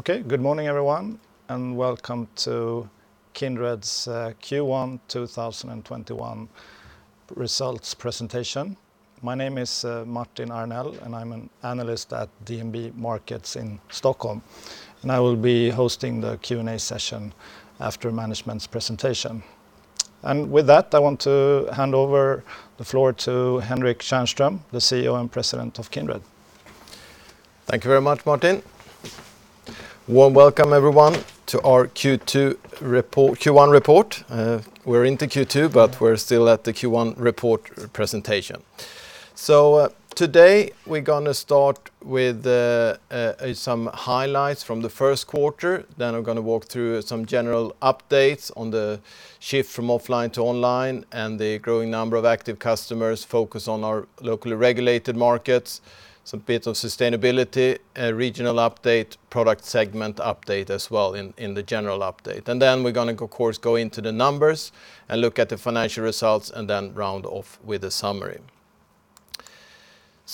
Okay. Good morning, everyone, and welcome to Kindred's Q1 2021 results presentation. My name is Martin Arnell, and I'm an Analyst at DNB Markets in Stockholm, and I will be hosting the Q&A session after management's presentation. With that, I want to hand over the floor to Henrik Tjärnström, the CEO and President of Kindred. Thank you very much, Martin. Warm welcome everyone to our Q1 report. We're into Q2, but we're still at the Q1 report presentation. Today, we're going to start with some highlights from the first quarter, then I'm going to walk through some general updates on the shift from offline to online and the growing number of active customers, focus on our locally regulated markets, some bits of sustainability, a regional update, product segment update as well in the general update. We're going to, of course, go into the numbers and look at the financial results and then round off with a summary.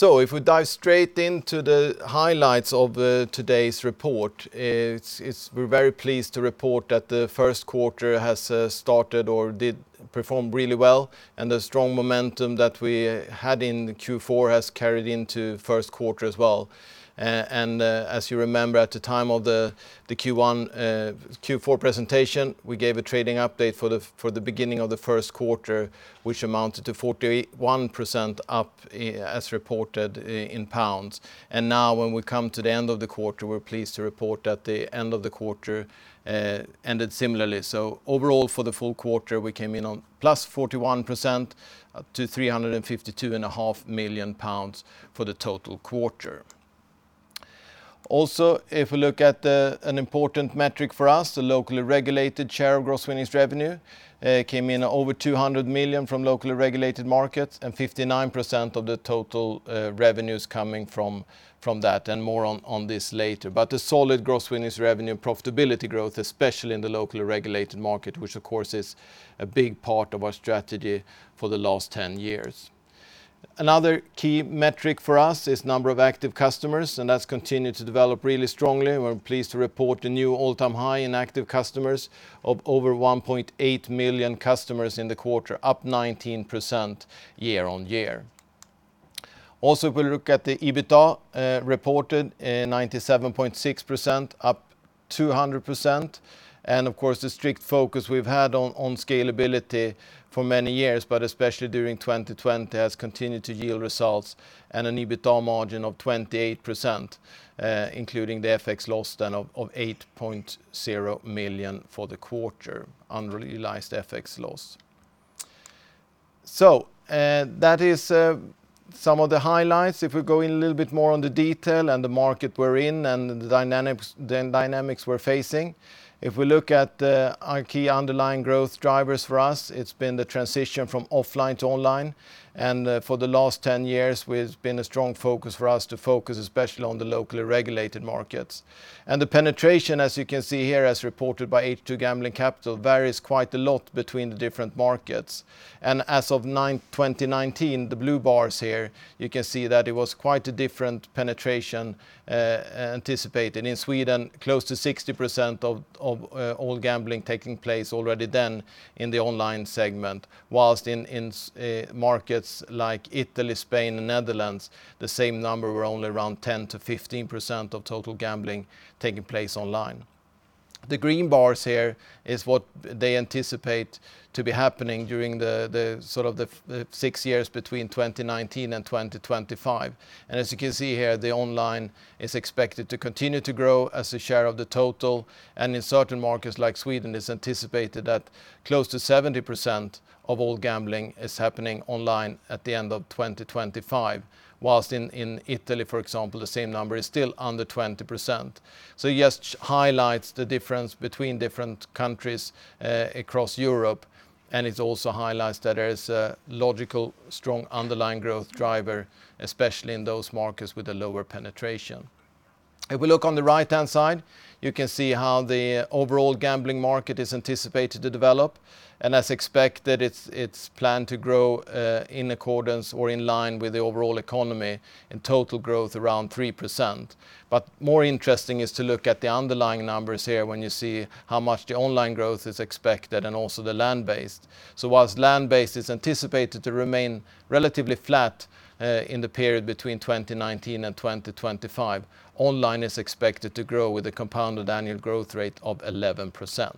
If we dive straight into the highlights of today's report, we're very pleased to report that the first quarter has started or did perform really well, and the strong momentum that we had in Q4 has carried into first quarter as well. As you remember at the time of the Q4 presentation, we gave a trading update for the beginning of the first quarter, which amounted to 41% up as reported in pounds. Now when we come to the end of the quarter, we're pleased to report that the end of the quarter ended similarly. Overall for the full quarter, we came in on +41% up to 352.5 million pounds for the total quarter. Also, if we look at an important metric for us, the locally regulated share of gross winnings revenue came in over 200 million from locally regulated markets and 59% of the total revenues coming from that and more on this later. A solid gross winnings revenue profitability growth especially in the locally regulated market, which of course is a big part of our strategy for the last 10 years. Another key metric for us is number of active customers. That's continued to develop really strongly. We're pleased to report a new all-time high in active customers of over 1.8 million customers in the quarter, up 19% year-on-year. If we look at the EBITDA reported 97.6% up 200% and, of course, the strict focus we've had on scalability for many years, but especially during 2020, has continued to yield results and an EBITDA margin of 28%, including the FX loss then of 8.0 million for the quarter unrealized FX loss. That is some of the highlights. If we go in a little bit more on the detail and the market we're in and the dynamics we're facing. If we look at our key underlying growth drivers for us, it's been the transition from offline to online. For the last 10 years, it's been a strong focus for us to focus especially on the locally regulated markets. The penetration, as you can see here as reported by H2 Gambling Capital, varies quite a lot between the different markets. As of 2019, the blue bars here, you can see that it was quite a different penetration anticipated in Sweden, close to 60% of all gambling taking place already then in the online segment, whilst in markets like Italy, Spain, and Netherlands, the same number were only around 10%-15% of total gambling taking place online. The green bars here is what they anticipate to be happening during the six years between 2019 and 2025. As you can see here, the online is expected to continue to grow as a share of the total. In certain markets like Sweden, it's anticipated that close to 70% of all gambling is happening online at the end of 2025, whilst in Italy, for example, the same number is still under 20%. Just highlights the difference between different countries across Europe, and it also highlights that there is a logical, strong underlying growth driver, especially in those markets with a lower penetration. If we look on the right-hand side, you can see how the overall gambling market is anticipated to develop. As expected, it's planned to grow in accordance or in line with the overall economy and total growth around 3%. More interesting is to look at the underlying numbers here when you see how much the online growth is expected and also the land-based. Whilst land-based is anticipated to remain relatively flat in the period between 2019 and 2025, online is expected to grow with a compounded annual growth rate of 11%.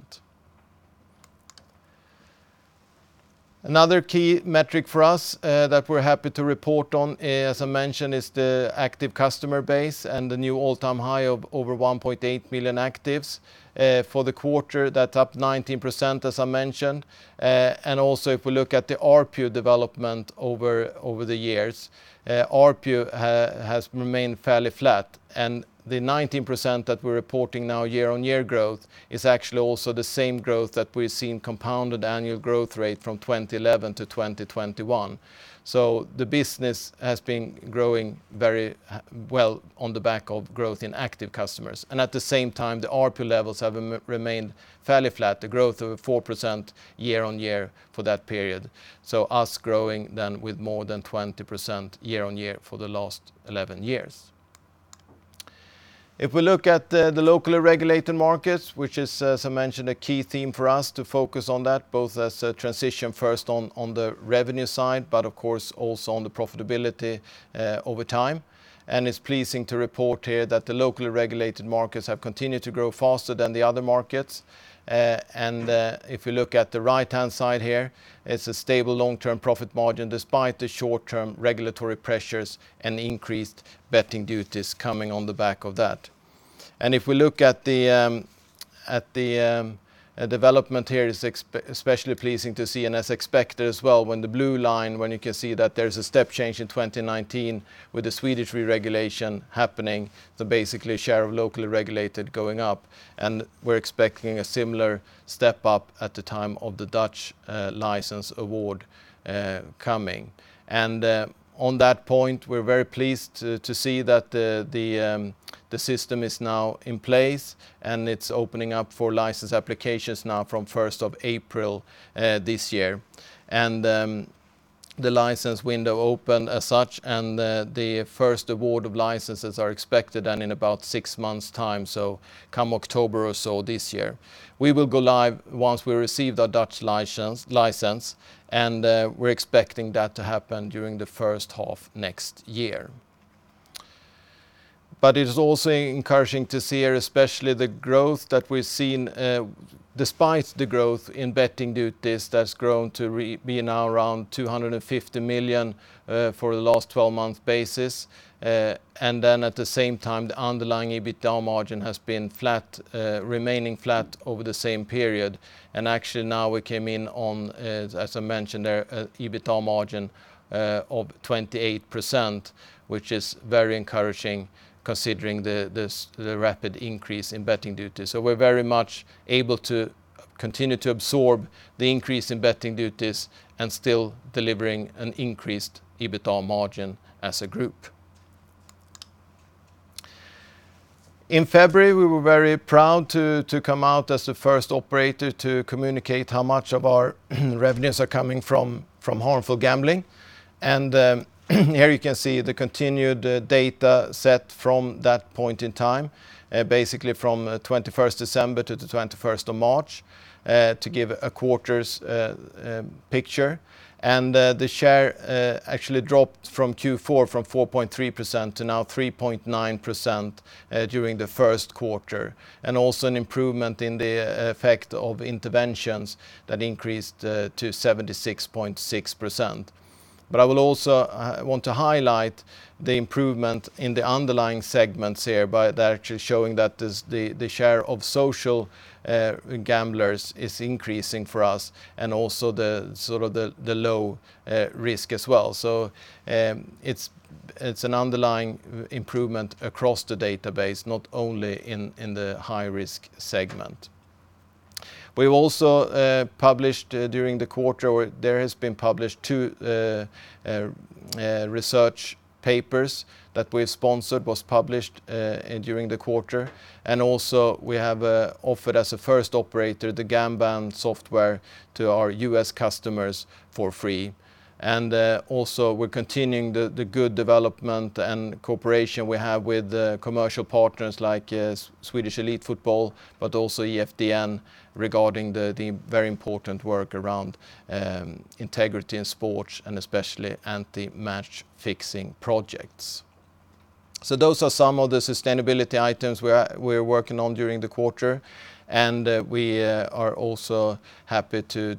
Another key metric for us that we're happy to report on, as I mentioned, is the active customer base and the new all-time high of over 1.8 million actives. For the quarter, that's up 19%, as I mentioned. Also, if we look at the ARPU development over the years, ARPU has remained fairly flat. The 19% that we're reporting now year-on-year growth is actually also the same growth that we've seen compounded annual growth rate from 2011-2021. The business has been growing very well on the back of growth in active customers. At the same time, the ARPU levels have remained fairly flat, a growth of 4% year-on-year for that period. Us growing then with more than 20% year-on-year for the last 11 years. If we look at the locally regulated markets, which is, as I mentioned, a key theme for us to focus on that both as a transition first on the revenue side, but of course also on the profitability over time. It's pleasing to report here that the locally regulated markets have continued to grow faster than the other markets. If you look at the right-hand side here, it's a stable long-term profit margin, despite the short-term regulatory pressures and increased betting duties coming on the back of that. If we look at the development here, it's especially pleasing to see and as expected as well, when the blue line, when you can see that there's a step change in 2019 with the Swedish re-regulation happening, the basically share of locally regulated going up, and we're expecting a similar step-up at the time of the Dutch license award coming. On that point, we're very pleased to see that the system is now in place, and it's opening up for license applications now from the 1st of April this year. The license window opened as such, and the first award of licenses are expected in about six months' time, so come October or so this year. We will go live once we receive the Dutch license, and we're expecting that to happen during the first half next year. It is also encouraging to see here, especially the growth that we've seen despite the growth in betting duties that's grown to be now around 250 million for the last 12-month basis. At the same time, the underlying EBITDA margin has been remaining flat over the same period. Now we came in on, as I mentioned, an EBITDA margin of 28%, which is very encouraging considering the rapid increase in betting duties. We're very much able to continue to absorb the increase in betting duties and still delivering an increased EBITDA margin as a group. In February, we were very proud to come out as the first operator to communicate how much of our revenues are coming from harmful gambling. Here you can see the continued data set from that point in time, basically from 21st December to the 21st of March, to give a quarter's picture. The share actually dropped from Q4 from 4.3% to now 3.9% during the first quarter. Also an improvement in the effect of interventions that increased to 76.6%. I will also want to highlight the improvement in the underlying segments here by actually showing that the share of social gamblers is increasing for us and also the low risk as well. It's an underlying improvement across the database, not only in the high-risk segment. We also published during the quarter, or there has been published two research papers that we've sponsored, was published during the quarter. Also we have offered as a first operator, the Gamban software to our U.S. customers for free. Also we're continuing the good development and cooperation we have with commercial partners like Swedish Elite Football, but also EFDN regarding the very important work around integrity in sports and especially anti-match fixing projects. Those are some of the sustainability items we're working on during the quarter. We are also happy to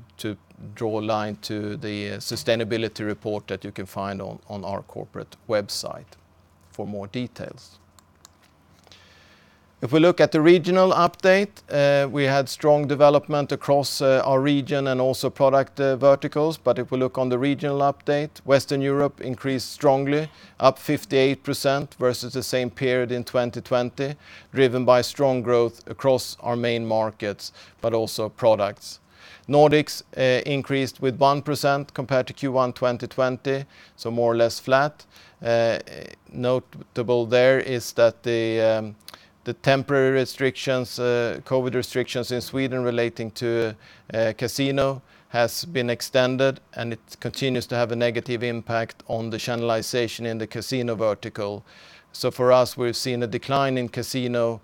draw a line to the sustainability report that you can find on our corporate website for more details. If we look at the regional update, we had strong development across our region and also product verticals. If we look on the regional update, Western Europe increased strongly, up 58% versus the same period in 2020, driven by strong growth across our main markets, but also products. Nordics increased with 1% compared to Q1 2020, so more or less flat. Notable there is that the temporary COVID restrictions in Sweden relating to casino has been extended, and it continues to have a negative impact on the channelization in the casino vertical. For us, we've seen a decline in casino,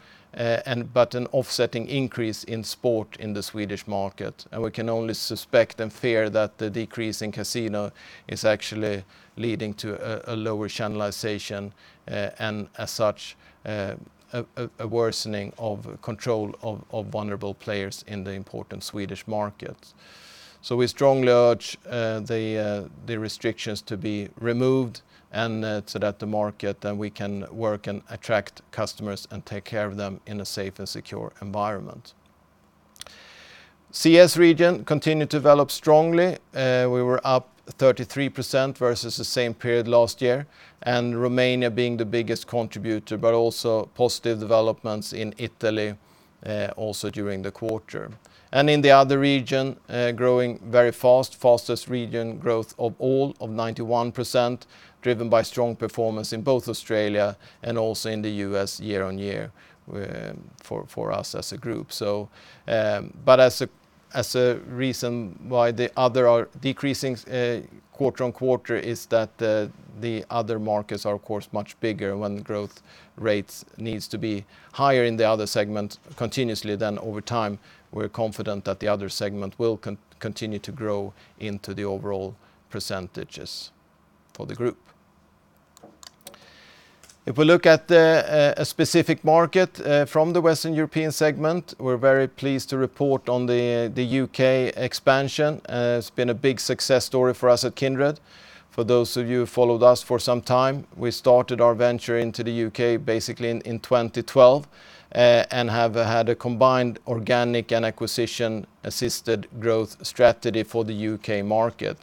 but an offsetting increase in sport in the Swedish market. We can only suspect and fear that the decrease in casino is actually leading to a lower channelization and as such, a worsening of control of vulnerable players in the important Swedish market. We strongly urge the restrictions to be removed so that the market and we can work and attract customers and take care of them in a safe and secure environment. CES region continued to develop strongly. We were up 33% versus the same period last year, and Romania being the biggest contributor, but also positive developments in Italy also during the quarter. In the other region, growing very fast, fastest region growth of all, of 91%, driven by strong performance in both Australia and also in the U.S. year-on-year for us as a group. As a reason why the other are decreasing quarter-on-quarter is that the other markets are, of course, much bigger when growth rates needs to be higher in the other segment continuously than over time, we're confident that the other segment will continue to grow into the overall percentages for the group. If we look at a specific market from the Western European segment, we're very pleased to report on the U.K. expansion. It's been a big success story for us at Kindred. For those of you who followed us for some time, we started our venture into the U.K. basically in 2012. We have had a combined organic and acquisition-assisted growth strategy for the U.K. market.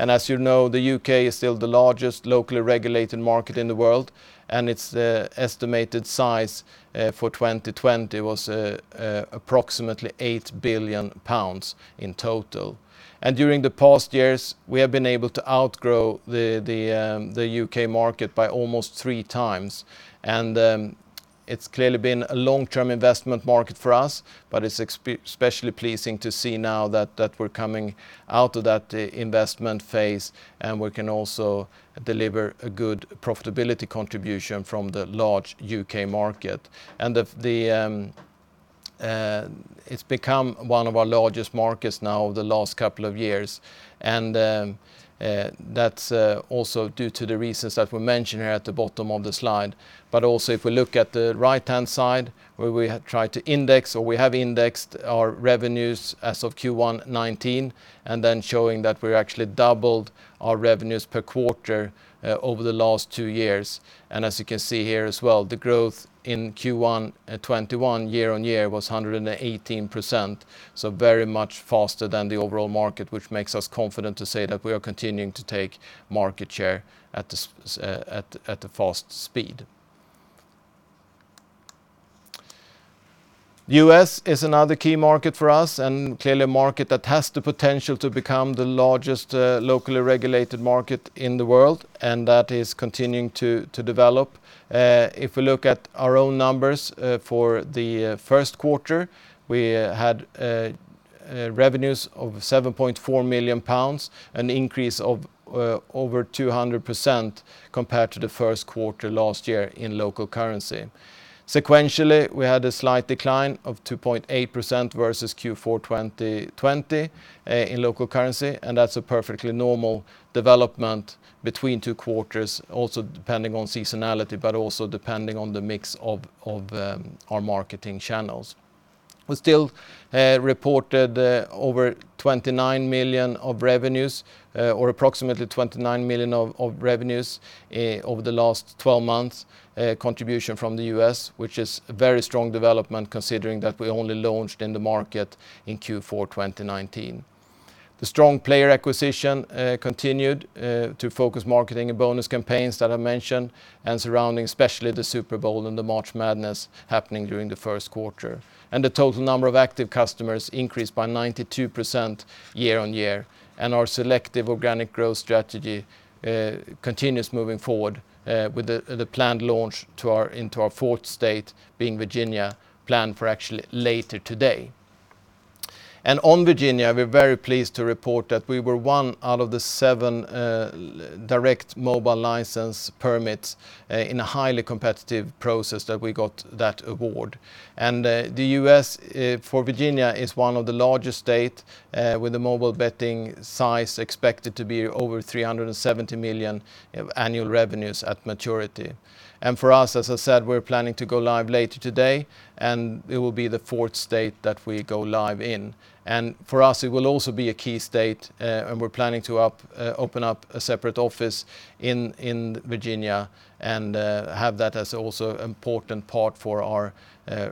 As you know, the U.K. is still the largest locally regulated market in the world, and its estimated size for 2020 was approximately 8 billion pounds in total. During the past years, we have been able to outgrow the U.K. market by almost three times. It's clearly been a long-term investment market for us, but it's especially pleasing to see now that we're coming out of that investment phase and we can also deliver a good profitability contribution from the large U.K. market. It's become one of our largest markets now the last couple of years. That's also due to the reasons that we mention here at the bottom of the slide. Also if we look at the right-hand side where we try to index, or we have indexed our revenues as of Q1 2019, showing that we're actually doubled our revenues per quarter over the last two years. As you can see here as well, the growth in Q1 2021 year-over-year was 118%, very much faster than the overall market, which makes us confident to say that we are continuing to take market share at a fast speed. U.S. is another key market for us, clearly a market that has the potential to become the largest locally regulated market in the world, that is continuing to develop. If we look at our own numbers for the first quarter, we had revenues of 7.4 million pounds, an increase of over 200% compared to the first quarter last year in local currency. Sequentially, we had a slight decline of 2.8% versus Q4 2020, in local currency. That's a perfectly normal development between two quarters, also depending on seasonality, also depending on the mix of our marketing channels. We still reported over 29 million of revenues, or approximately 29 million of revenues over the last 12 months contribution from the U.S., which is very strong development considering that we only launched in the market in Q4 2019. The strong player acquisition continued to focus marketing and bonus campaigns that I mentioned, surrounding especially the Super Bowl and the March Madness happening during the first quarter. The total number of active customers increased by 92% year-on-year. Our selective organic growth strategy continues moving forward with the planned launch into our fourth state being Virginia, planned for actually later today. On Virginia, we're very pleased to report that we were one out of the seven direct mobile license permits in a highly competitive process that we got that award. The U.S. for Virginia is one of the largest state, with the mobile betting size expected to be over 370 million annual revenues at maturity. For us, as I said, we're planning to go live later today, and it will be the fourth state that we go live in. For us, it will also be a key state, and we're planning to open up a separate office in Virginia and have that as also important part for our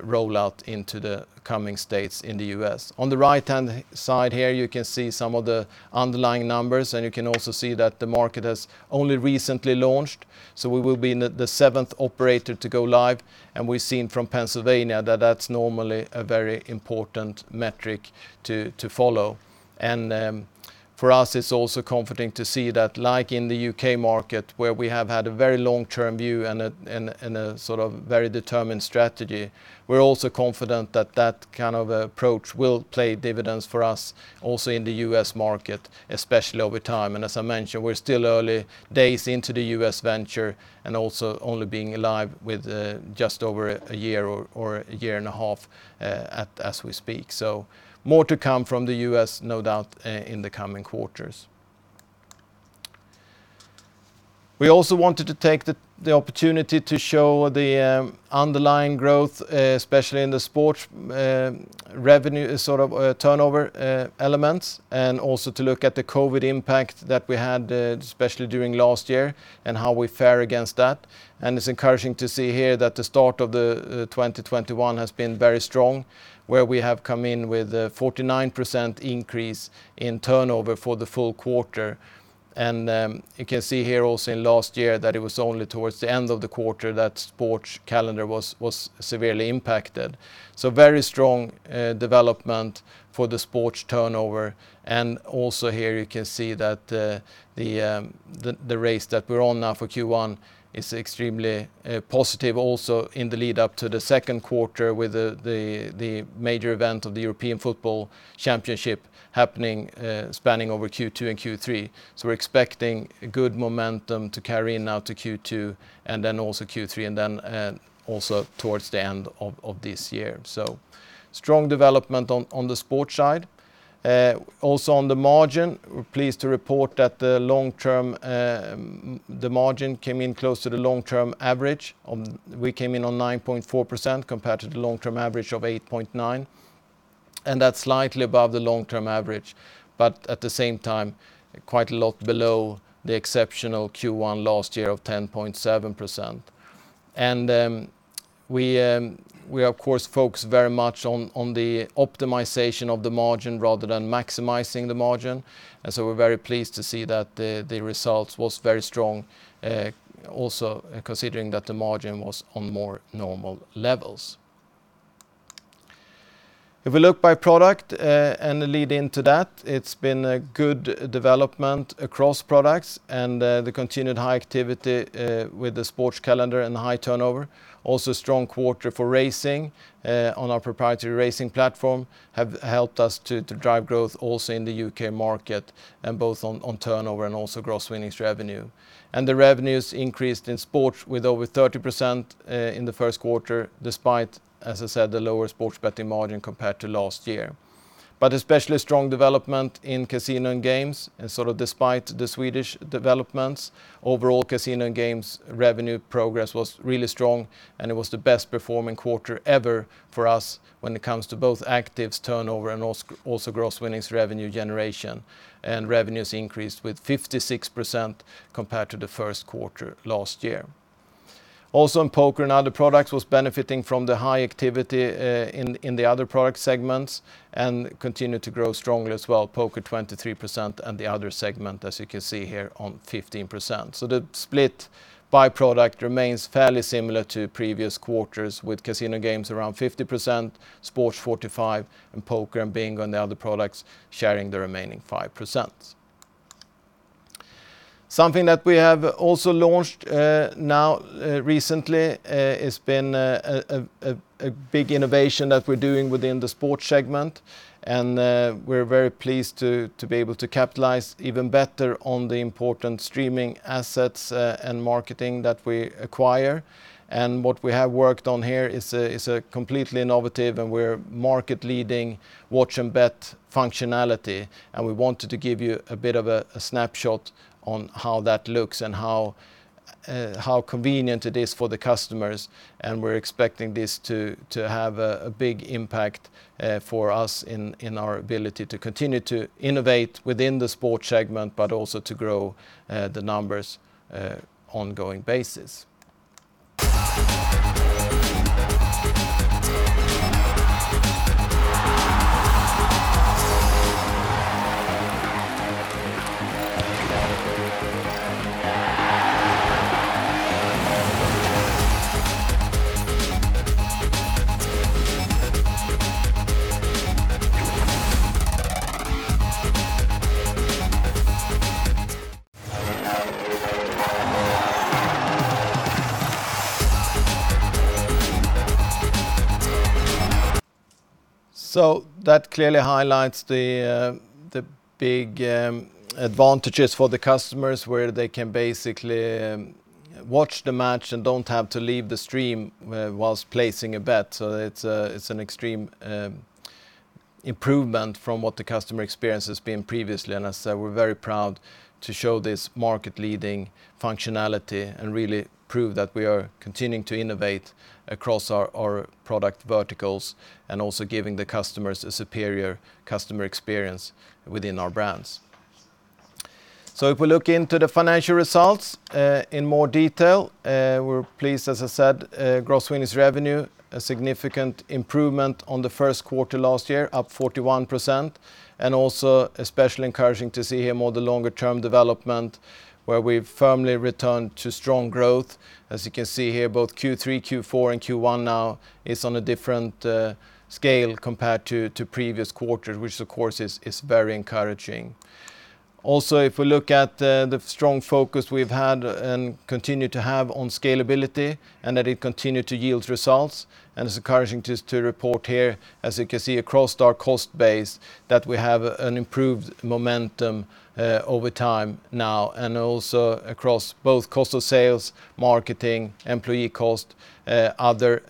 rollout into the coming states in the U.S. On the right-hand side here, you can see some of the underlying numbers, and you can also see that the market has only recently launched. We will be the seventh operator to go live, and we've seen from Pennsylvania that that's normally a very important metric to follow. For us, it's also comforting to see that like in the U.K. market where we have had a very long-term view and a sort of very determined strategy, we're also confident that that kind of approach will pay dividends for us also in the U.S. market, especially over time. As I mentioned, we're still early days into the U.S. venture, and also only being live with just over one year or one and a half years as we speak. More to come from the U.S. no doubt, in the coming quarters. We also wanted to take the opportunity to show the underlying growth, especially in the sports revenue sort of turnover elements, and also to look at the COVID impact that we had, especially during last year, and how we fare against that. It's encouraging to see here that the start of the 2021 has been very strong, where we have come in with a 49% increase in turnover for the full quarter. You can see here also in last year that it was only towards the end of the quarter that sports calendar was severely impacted. Very strong development for the sports turnover. Also here you can see that the race that we're on now for Q1 is extremely positive also in the lead-up to the second quarter with the major event of the European Football Championship happening spanning over Q2 and Q3. We're expecting good momentum to carry in now to Q2 and then also Q3 and then also towards the end of this year. Strong development on the sports side. On the margin, we're pleased to report that the margin came in close to the long-term average. We came in on 9.4% compared to the long-term average of 8.9%, that's slightly above the long-term average, at the same time, quite a lot below the exceptional Q1 last year of 10.7%. We of course focus very much on the optimization of the margin rather than maximizing the margin. We're very pleased to see that the result was very strong, also considering that the margin was on more normal levels. If we look by product, and the lead into that, it's been a good development across products and the continued high activity with the sports calendar and the high turnover. Also strong quarter for racing on our proprietary racing platform have helped us to drive growth also in the U.K. market, and both on turnover and also gross winnings revenue. The revenues increased in sports with over 30% in the first quarter, despite, as I said, the lower sports betting margin compared to last year. Especially strong development in casino and games, and despite the Swedish developments, overall casino and games revenue progress was really strong, and it was the best-performing quarter ever for us when it comes to both actives turnover and also gross winnings revenue generation. Revenues increased with 56% compared to the first quarter last year. In Poker and other products was benefiting from the high activity in the other product segments and continued to grow strongly as well, Poker 23% and the other segment, as you can see here, on 15%. The split by product remains fairly similar to previous quarters with Casino and Games around 50%, Sports 45%, and Poker and Bingo and the other products sharing the remaining 5%. Something that we have also launched now recently, it's been a big innovation that we're doing within the Sports segment, and we're very pleased to be able to capitalize even better on the important streaming assets and marketing that we acquire. What we have worked on here is a completely innovative, and we're market-leading Watch and Bet functionality, and we wanted to give you a bit of a snapshot on how that looks and how convenient it is for the customers. We're expecting this to have a big impact for us in our ability to continue to innovate within the Sports segment, but also to grow the numbers ongoing basis. That clearly highlights the big advantages for the customers, where they can basically watch the match and don't have to leave the stream while placing a bet. It's an extreme improvement from what the customer experience has been previously. As I said, we're very proud to show this market-leading functionality and really prove that we are continuing to innovate across our product verticals and also giving the customers a superior customer experience within our brands. If we look into the financial results in more detail, we're pleased, as I said, gross winnings revenue, a significant improvement on the first quarter last year, up 41%. Also especially encouraging to see here more the longer-term development where we've firmly returned to strong growth. As you can see here, both Q3, Q4, and Q1 now is on a different scale compared to previous quarters, which of course is very encouraging. If we look at the strong focus we've had and continue to have on scalability, and that it continued to yield results, and it's encouraging to report here, as you can see across our cost base, that we have an improved momentum over time now, and also across both cost of sales, marketing, employee cost, other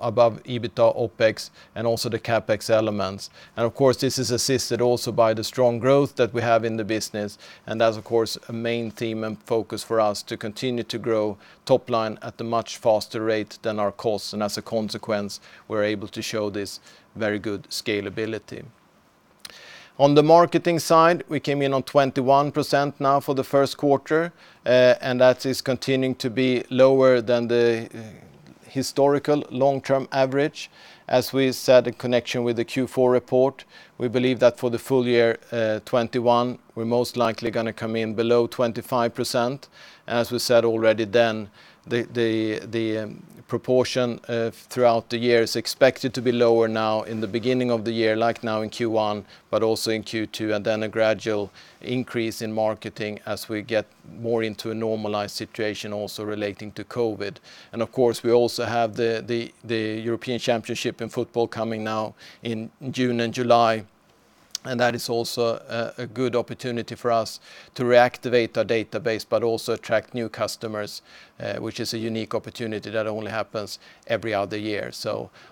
above EBITDA, OpEx, and also the CapEx elements. Of course, this is assisted also by the strong growth that we have in the business, and that's of course a main theme and focus for us to continue to grow top-line at a much faster rate than our costs, and as a consequence, we're able to show this very good scalability. On the marketing side, we came in on 21% now for the first quarter, and that is continuing to be lower than the historical long-term average. As we said in connection with the Q4 report, we believe that for the full year 2021, we're most likely going to come in below 25%. We said already then, the proportion throughout the year is expected to be lower now in the beginning of the year, like now in Q1, but also in Q2, and then a gradual increase in marketing as we get more into a normalized situation also relating to COVID. Of course, we also have the European Championship in football coming now in June and July, and that is also a good opportunity for us to reactivate our database but also attract new customers, which is a unique opportunity that only happens every other year.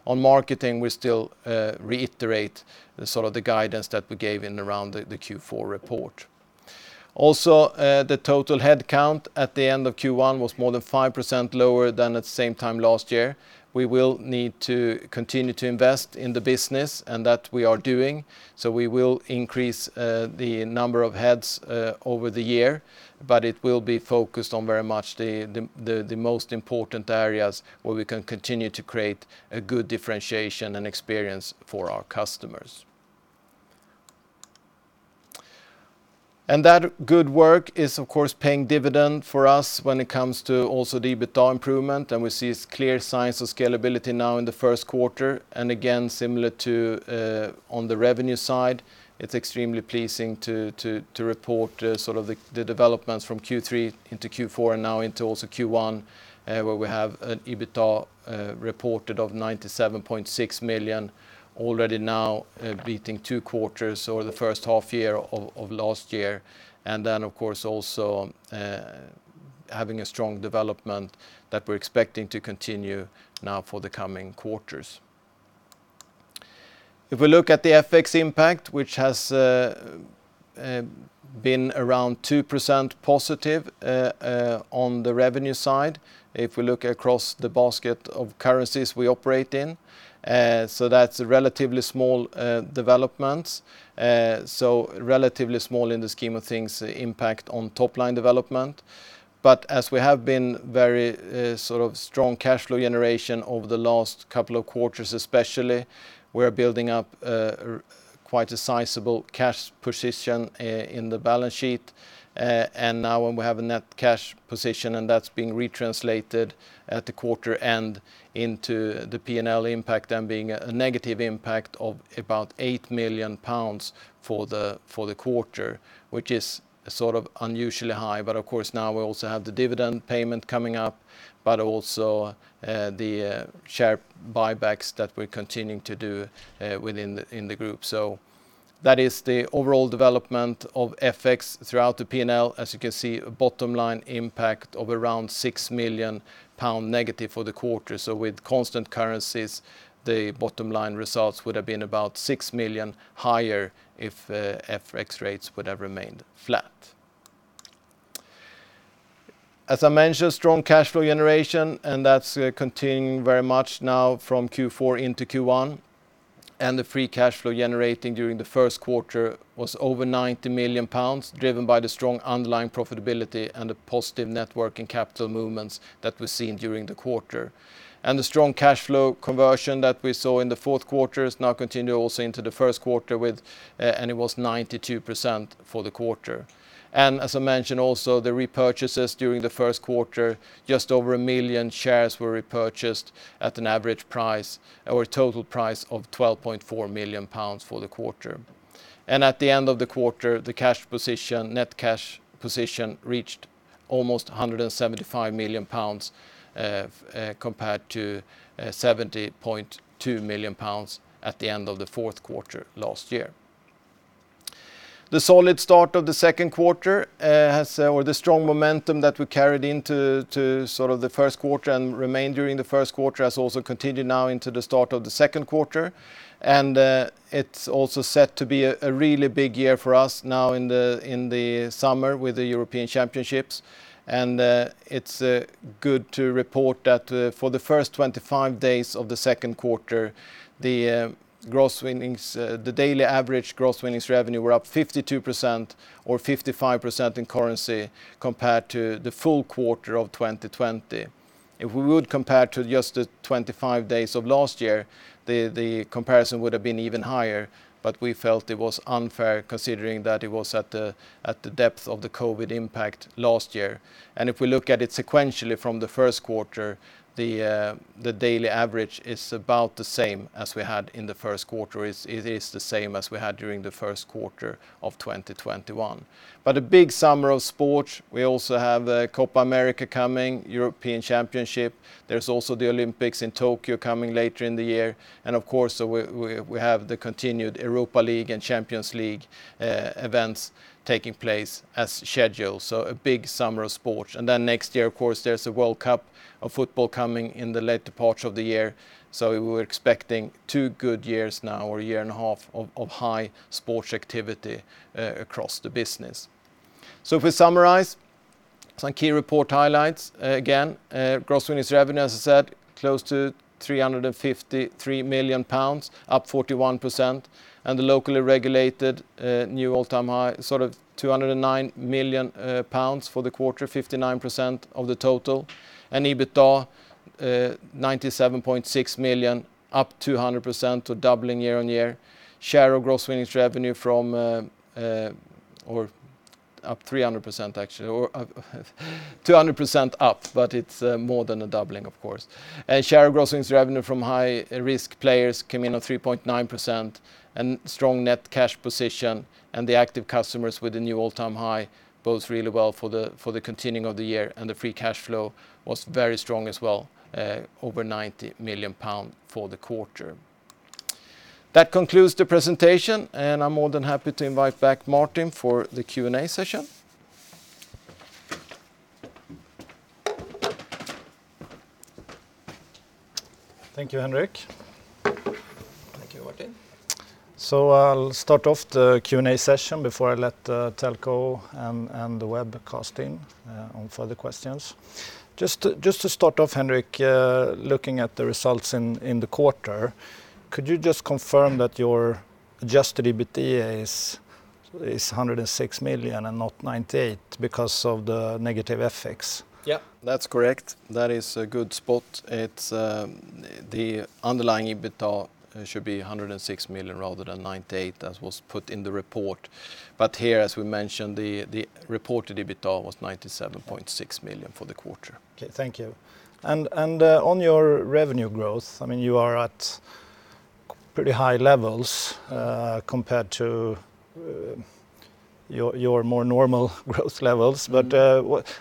On marketing, we still reiterate the guidance that we gave in around the Q4 report. The total headcount at the end of Q1 was more than 5% lower than at the same time last year. We will need to continue to invest in the business and that we are doing. So we will increase the number of heads over the year, but it will be focused on very much the most important areas where we can continue to create a good differentiation and experience for our customers. That good work is of course paying dividend for us when it comes to also the EBITDA improvement, and we see clear signs of scalability now in the first quarter. Again, similar to on the revenue side, it's extremely pleasing to report the developments from Q3 into Q4 and now into also Q1, where we have an EBITDA reported of 97.6 million already now beating two quarters or the first half year of last year. Then, of course, also having a strong development that we're expecting to continue now for the coming quarters. If we look at the FX impact, which has been around 2% positive on the revenue side, if we look across the basket of currencies we operate in. That's a relatively small development. Relatively small in the scheme of things impact on top-line development. As we have been very strong cash flow generation over the last couple of quarters, especially, we are building up quite a sizable cash position in the balance sheet. Now we have a net cash position, and that's being retranslated at the quarter end into the P&L impact, then being a negative impact of about 8 million pounds for the quarter, which is unusually high. Of course, now we also have the dividend payment coming up, but also the share buybacks that we're continuing to do within the group. That is the overall development of FX throughout the P&L. You can see, a bottom-line impact of around 6 million pound negative for the quarter. With constant currencies, the bottom-line results would have been about 6 million higher if FX rates would have remained flat. As I mentioned, strong cash flow generation, that's continuing very much now from Q4 into Q1. The free cash flow generating during the first quarter was over 90 million pounds, driven by the strong underlying profitability and the positive net working capital movements that we've seen during the quarter. The strong cash flow conversion that we saw in the fourth quarter is now continue also into the first quarter with, and it was 92% for the quarter. As I mentioned also, the repurchases during the first quarter, just over a million shares were repurchased at an average price or a total price of 12.4 million pounds for the quarter. At the end of the quarter, the cash position, net cash position reached almost 175 million pounds, compared to 70.2 million pounds at the end of the fourth quarter last year. The strong momentum that we carried into the first quarter and remained during the first quarter has also continued now into the start of the second quarter. It is also set to be a really big year for us now in the summer with the European Championships. It is good to report that for the first 25 days of the second quarter, the daily average gross winnings revenue were up 52% or 55% in currency compared to the full quarter of 2020. If we would compare to just the 25 days of last year, the comparison would have been even higher, but we felt it was unfair considering that it was at the depth of the COVID impact last year. If we look at it sequentially from the first quarter, the daily average is about the same as we had in the first quarter. It is the same as we had during the first quarter of 2021. A big summer of sport. We also have the Copa América coming, European Championship. There's also the Olympics in Tokyo coming later in the year. Of course, we have the continued UEFA Europa League and UEFA Champions League events taking place as scheduled. A big summer of sports. Next year, of course, there's a World Cup of football coming in the later part of the year. We're expecting two good years now or a year and a half of high sports activity across the business. If we summarize some key report highlights, again, gross winnings revenue, as I said, close to 353 million pounds, up 41%, and the locally regulated new all-time high, 209 million pounds for the quarter, 59% of the total. EBITDA 97.6 million, up 200% to doubling year-on-year. Share of Gross winnings revenue from or up 300% actually, or 200% up, but it's more than a doubling, of course. Share of Gross winnings revenue from high-risk players came in at 3.9% and strong net cash position and the active customers with the new all-time high bodes really well for the continuing of the year, and the free cash flow was very strong as well, over 90 million pounds for the quarter. That concludes the presentation, and I'm more than happy to invite back Martin for the Q&A session. Thank you, Henrik. Thank you, Martin. I'll start off the Q&A session before I let telco and the webcasting on for the questions. Just to start off, Henrik, looking at the results in the quarter, could you just confirm that your adjusted EBITDA is 106 million and not 98 million because of the negative FX? Yeah, that's correct. That is a good spot. The underlying EBITDA should be 106 million rather than 98 million as was put in the report. Here, as we mentioned, the reported EBITDA was 97.6 million for the quarter. Okay. Thank you. On your revenue growth, you are at pretty high levels compared to your more normal growth levels.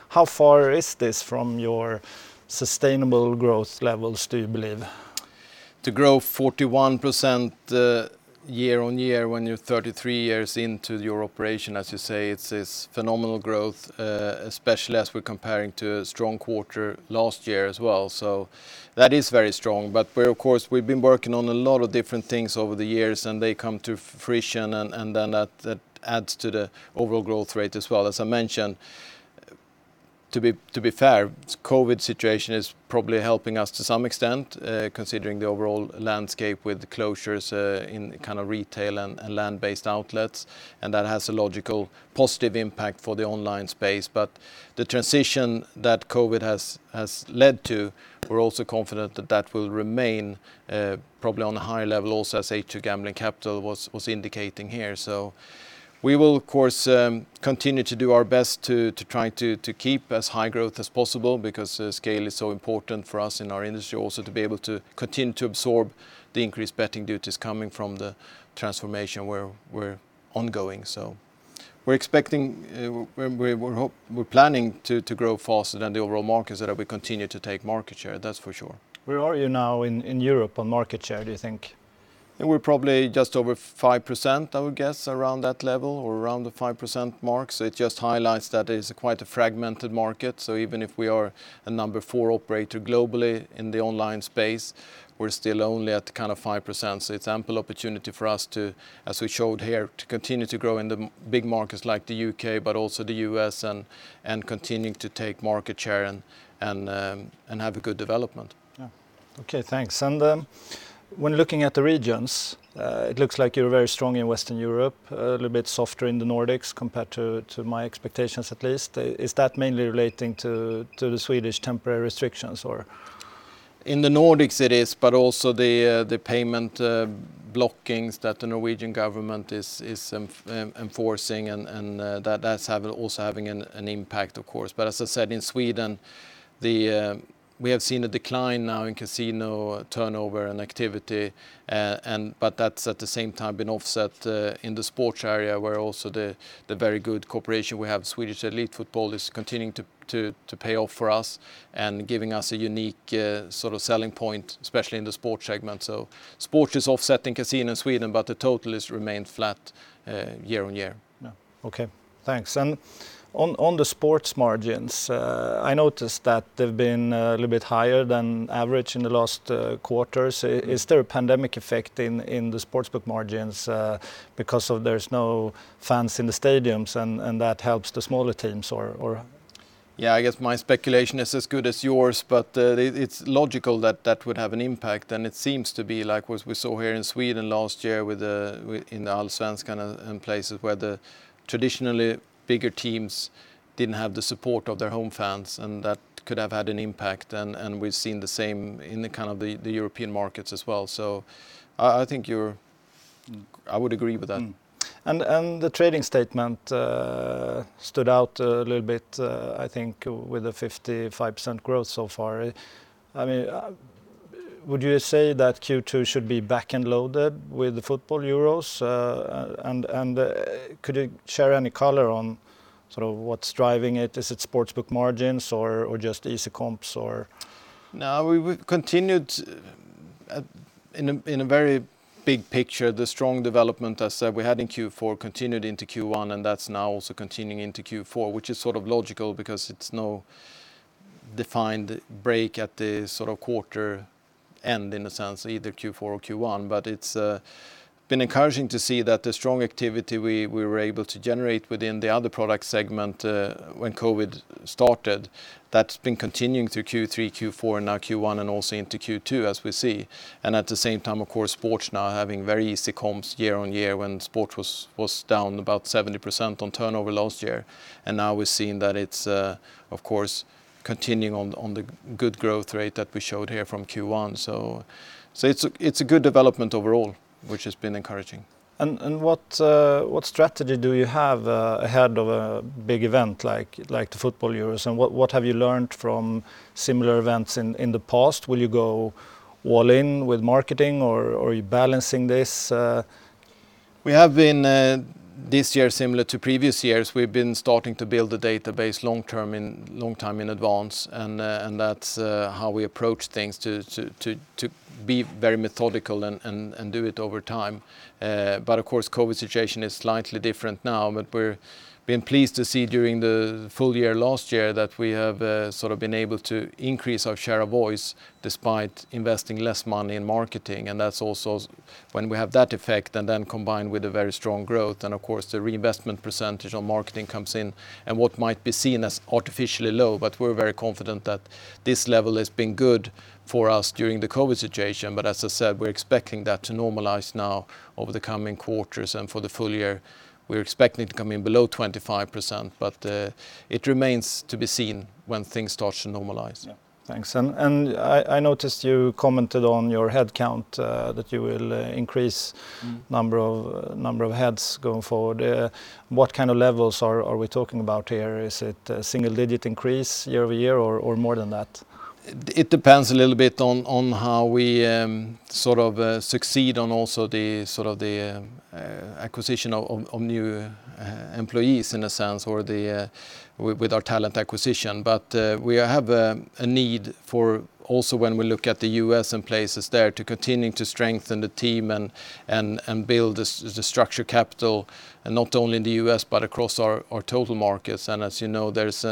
How far is this from your sustainable growth levels do you believe? To grow 41% year-on-year when you're 33 years into your operation, as you say, it's this phenomenal growth, especially as we're comparing to strong quarter last year as well. That is very strong, but of course, we've been working on a lot of different things over the years, and they come to fruition, and then that adds to the overall growth rate as well. As I mentioned, to be fair, COVID situation is probably helping us to some extent, considering the overall landscape with closures in kind of retail and land-based outlets. That has a logical, positive impact for the online space. The transition that COVID has led to, we're also confident that that will remain probably on a higher level also as H2 Gambling Capital was indicating here. We will, of course, continue to do our best to try to keep as high growth as possible because scale is so important for us in our industry, also to be able to continue to absorb the increased betting duties coming from the transformation where we're ongoing. We're planning to grow faster than the overall markets, that we continue to take market share, that's for sure. Where are you now in Europe on market share, do you think? We're probably just over 5%, I would guess, around that level or around the 5% mark. It just highlights that it's quite a fragmented market. Even if we are a number four operator globally in the online space, we're still only at kind of 5%. It's ample opportunity for us to, as we showed here, to continue to grow in the big markets like the U.K., but also the U.S. and continuing to take market share and have a good development. Yeah. Okay, thanks. When looking at the regions, it looks like you're very strong in Western Europe, a little bit softer in the Nordics compared to my expectations at least. Is that mainly relating to the Swedish temporary restrictions or? In the Nordics it is, also the payment blockings that the Norwegian government is enforcing, and that's also having an impact of course. As I said, in Sweden, we have seen a decline now in casino turnover and activity, but that's at the same time been offset in the sports area where also the very good cooperation we have with Swedish Elite Football is continuing to pay off for us and giving us a unique sort of selling point, especially in the sports segment. Sports is offsetting casino in Sweden, but the total has remained flat year-on-year. Yeah. Okay, thanks. On the sports margins, I noticed that they've been a little bit higher than average in the last quarters. Is there a pandemic effect in the sportsbook margins because there's no fans in the stadiums, and that helps the smaller teams or? Yeah, I guess my speculation is as good as yours, but it's logical that that would have an impact, and it seems to be like what we saw here in Sweden last year in the Allsvenskan and places where the traditionally bigger teams didn't have the support of their home fans, and that could have had an impact, and we've seen the same in the kind of the European markets as well. So I think I would agree with that. The trading statement stood out a little bit, I think, with a 55% growth so far. Would you say that Q2 should be back-end loaded with the football Euros? Could you share any color on sort of what's driving it? Is it sportsbook margins or just easy comps or? We continued in a very big picture, the strong development as we had in Q4 continued into Q1. That's now also continuing into Q4, which is sort of logical because it's no defined break at the sort of quarter end in a sense, either Q4 or Q1. It's been encouraging to see that the strong activity we were able to generate within the other product segment, when COVID started, that's been continuing through Q3, Q4, and now Q1, and also into Q2, as we see. At the same time, of course, sports now having very easy comps year-on-year when sport was down about 70% on turnover last year. Now we're seeing that it's, of course, continuing on the good growth rate that we showed here from Q1. It's a good development overall, which has been encouraging. What strategy do you have ahead of a big event like the football Euros, and what have you learned from similar events in the past? Will you go all in with marketing, or are you balancing this? This year, similar to previous years, we've been starting to build the database long time in advance. That's how we approach things to be very methodical and do it over time. Of course, COVID situation is slightly different now. We've been pleased to see during the full year last year that we have sort of been able to increase our share of voice despite investing less money in marketing. That's also when we have that effect. Combined with a very strong growth, of course, the reinvestment percentage on marketing comes in and what might be seen as artificially low. We're very confident that this level has been good for us during the COVID situation. As I said, we're expecting that to normalize now over the coming quarters. For the full year, we're expecting it to come in below 25%, but it remains to be seen when things start to normalize. Yeah. Thanks. I noticed you commented on your headcount, that you will increase number of heads going forward. What kind of levels are we talking about here? Is it a single-digit increase year-over-year or more than that? It depends a little bit on how we sort of succeed on also the acquisition of new employees, in a sense, or with our talent acquisition. We have a need for also when we look at the U.S. and places there to continuing to strengthen the team and build the structure capital, not only in the U.S. but across our total markets. As you know, there's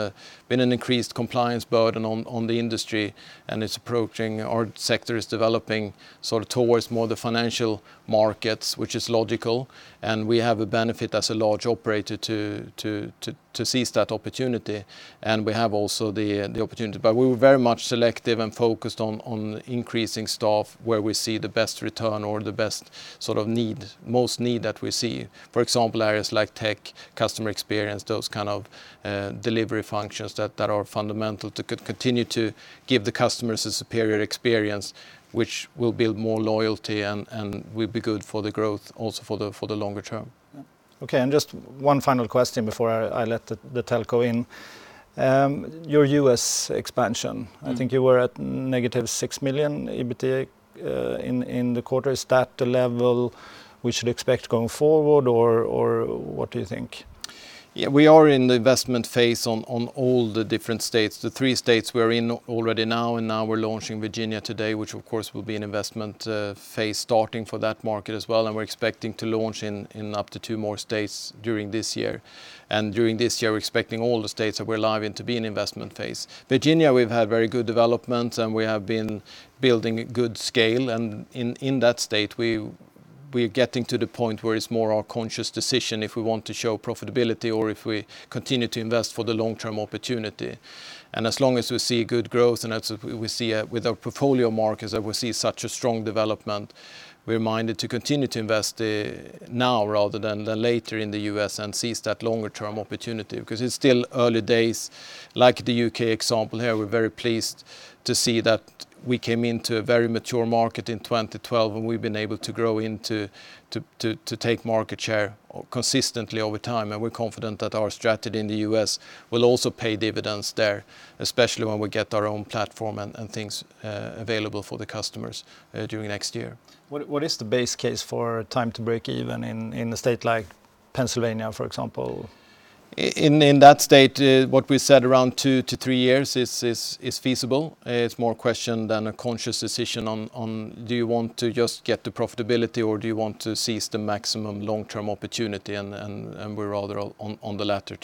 been an increased compliance burden on the industry, and our sector is developing sort of towards more the financial markets, which is logical, and we have a benefit as a large operator to seize that opportunity. We have also the opportunity. We were very much selective and focused on increasing staff where we see the best return or the best sort of need, most need that we see. For example, areas like tech, customer experience, those kind of delivery functions that are fundamental to continue to give the customers a superior experience, which will build more loyalty and will be good for the growth also for the longer term. Yeah. Okay, just one final question before I let the telco in. Your U.S. expansion. I think you were at -6 million EBITDA in the quarter. Is that the level we should expect going forward or what do you think? Yeah. We are in the investment phase on all the different states, the three states we're in already now, and now we're launching Virginia today, which, of course, will be an investment phase starting for that market as well, and we're expecting to launch in up to two more states during this year. During this year, we're expecting all the states that we're live in to be in investment phase. Virginia, we've had very good development, and we have been building good scale, and in that state, we're getting to the point where it's more our conscious decision if we want to show profitability or if we continue to invest for the long-term opportunity. As long as we see good growth, and as we see with our portfolio markers that we see such a strong development, we're minded to continue to invest now rather than later in the U.S. and seize that longer-term opportunity because it's still early days. Like the U.K. example here, we're very pleased to see that we came into a very mature market in 2012. We've been able to grow to take market share consistently over time. We're confident that our strategy in the U.S. will also pay dividends there, especially when we get our own platform and things available for the customers during next year. What is the base case for time to break even in a state like Pennsylvania, for example? In that state, what we said around two-three years is feasible. It's more question than a conscious decision on, do you want to just get the profitability, or do you want to seize the maximum long-term opportunity? We're rather on the latter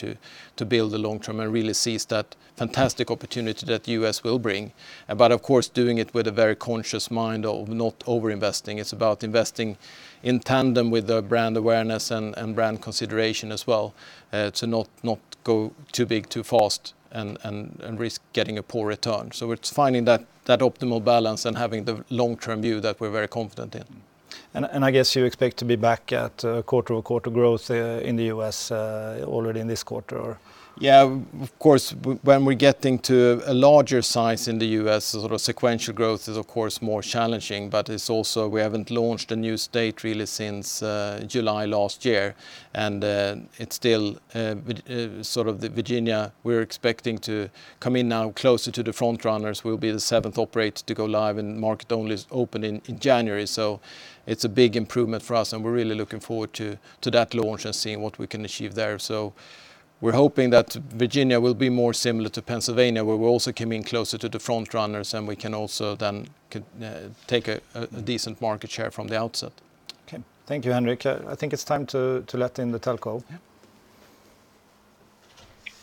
to build the long term and really seize that fantastic opportunity that U.S. will bring. Of course, doing it with a very conscious mind of not over-investing. It's about investing in tandem with the brand awareness and brand consideration as well, to not go too big too fast and risk getting a poor return. It's finding that optimal balance and having the long-term view that we're very confident in. I guess you expect to be back at quarter-over-quarter growth in the U.S. already in this quarter, or? Of course, when we're getting to a larger size in the U.S., sort of sequential growth is, of course, more challenging. It's also we haven't launched a new state really since July last year, and it's still sort of the Virginia we're expecting to come in now closer to the front runners. We'll be the seventh operator to go live. Market only is open in January. It's a big improvement for us, and we're really looking forward to that launch and seeing what we can achieve there. We're hoping that Virginia will be more similar to Pennsylvania, where we also came in closer to the front runners, and we can also then take a decent market share from the outset. Okay. Thank you, Henrik. I think it's time to let in the telco. Yeah.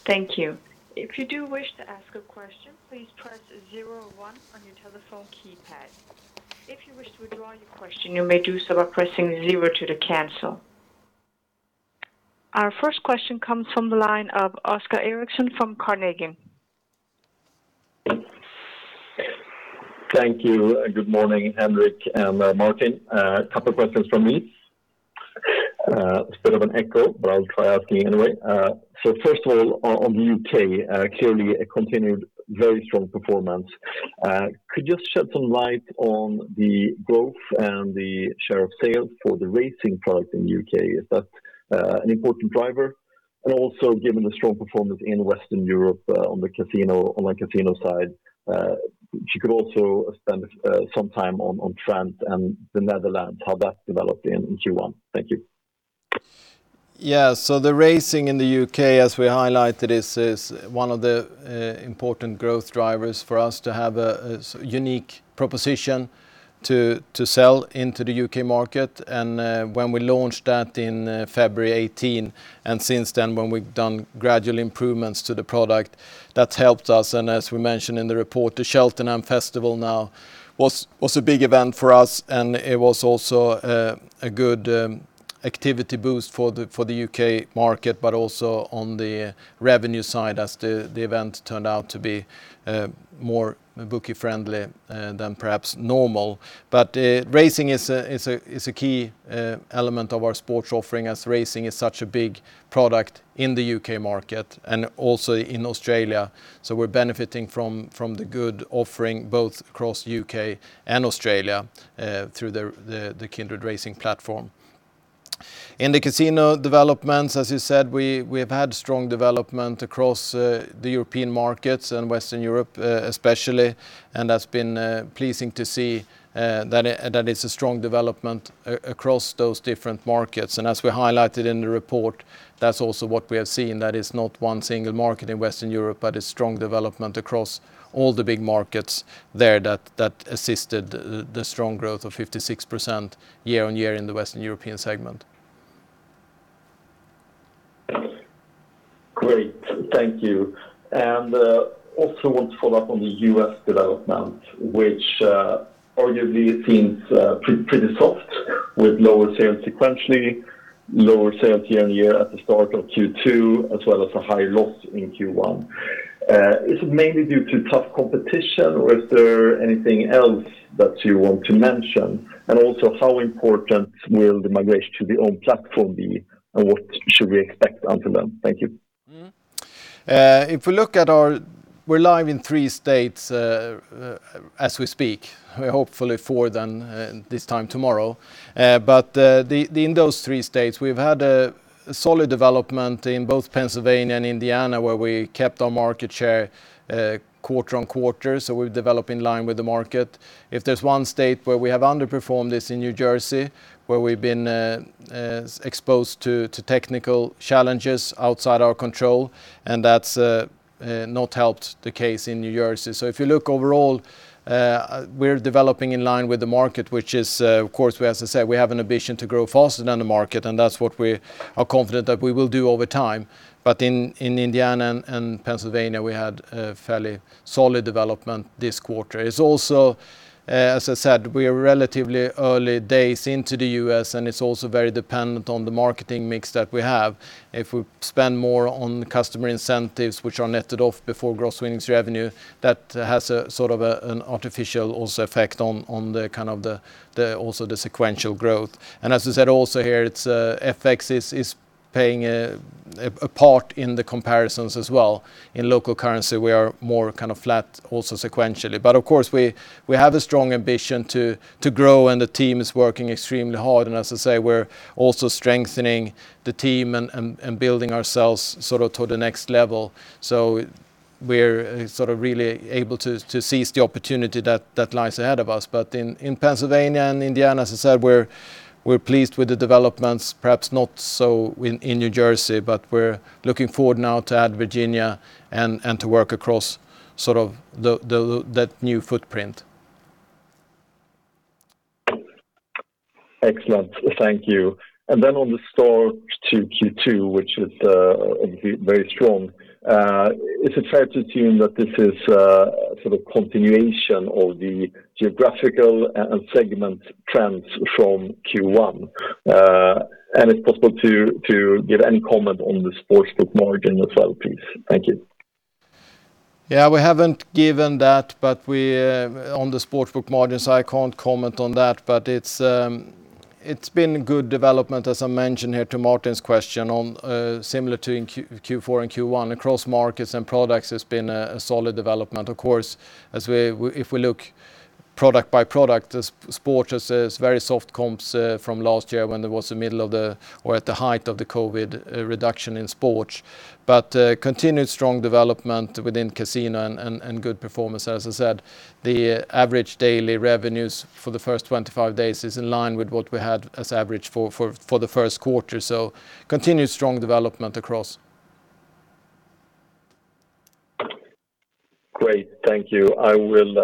Thank you. If you do wish to ask a question, please press zero one on your telephone keypad. If you wish to withdraw your question, you may do so by pressing zero two cancel. Our first question comes from the line of Oscar Erixon from Carnegie. Thank you. Good morning, Henrik and Martin. A couple questions from me. Bit of an echo, I'll try asking anyway. First of all, on the U.K., clearly a continued very strong performance. Could you just shed some light on the growth and the share of sales for the racing product in the U.K.? Is that an important driver? Also, given the strong performance in Western Europe on the casino side, could also spend some time on trend and the Netherlands, how that developed in Q1? Thank you. The racing in the U.K., as we highlighted, is one of the important growth drivers for us to have a unique proposition to sell into the U.K. market. When we launched that in February 2018, and since then when we've done gradual improvements to the product, that's helped us. As we mentioned in the report, the Cheltenham Festival now was a big event for us, and it was also a good activity boost for the U.K. market, but also on the revenue side as the event turned out to be more bookie-friendly than perhaps normal. Racing is a key element of our sports offering, as racing is such a big product in the U.K. market and also in Australia. We're benefiting from the good offering, both across U.K. and Australia, through the Kindred racing platform. In the casino developments, as you said, we have had strong development across the European markets and Western Europe especially. That's been pleasing to see that it's a strong development across those different markets. As we highlighted in the report, that's also what we have seen, that it's not one single market in Western Europe, but a strong development across all the big markets there that assisted the strong growth of 56% year-on-year in the Western European segment. Great. Thank you. Also want to follow up on the U.S. development, which arguably seems pretty soft with lower sales sequentially, lower sales year-on-year at the start of Q2, as well as a higher loss in Q1. Is it mainly due to tough competition, or is there anything else that you want to mention? Also, how important will the migration to the own platform be, and what should we expect until then? Thank you. We're live in three states as we speak. We're hopefully four then this time tomorrow. In those three states, we've had a solid development in both Pennsylvania and Indiana, where we kept our market share quarter-on-quarter. We develop in line with the market. If there's one state where we have underperformed, it's in New Jersey, where we've been exposed to technical challenges outside our control, and that's not helped the case in New Jersey. If you look overall, we're developing in line with the market, which is, of course, as I said, we have an ambition to grow faster than the market, and that's what we are confident that we will do over time. In Indiana and Pennsylvania, we had a fairly solid development this quarter. It's also, as I said, we are relatively early days into the U.S., it's also very dependent on the marketing mix that we have. If we spend more on customer incentives, which are netted off before gross winnings revenue, that has a sort of an artificial also effect on the kind of the also the sequential growth. As I said also here, FX is playing a part in the comparisons as well. In local currency, we are more kind of flat also sequentially. Of course, we have a strong ambition to grow, the team is working extremely hard. As I say, we're also strengthening the team and building ourselves sort of to the next level. We're sort of really able to seize the opportunity that lies ahead of us. In Pennsylvania and Indiana, as I said, we're pleased with the developments, perhaps not so in New Jersey. We're looking forward now to add Virginia and to work across sort of that new footprint. Excellent. Thank you. On the start to Q2, which is obviously very strong, is it fair to assume that this is a sort of continuation of the geographical and segment trends from Q1? It's possible to give any comment on the sportsbook margin as well, please? Thank you. Yeah, we haven't given that. On the sportsbook margins, I can't comment on that, but it's been good development, as I mentioned here to Martin's question on similar to in Q4 and Q1. Across markets and products, it's been a solid development. Of course, if we look product by product, sport has very soft comps from last year when there was at the height of the COVID reduction in sports. Continued strong development within casino and good performance. As I said, the average daily revenues for the first 25 days is in line with what we had as average for the first quarter. Continued strong development across. Great. Thank you. I will